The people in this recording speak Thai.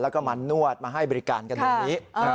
แล้วก็มานวดมาให้บริการกันแบบนี้